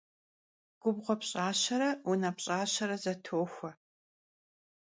Gubğue pş'aşere vune pş'aşere zetoxue.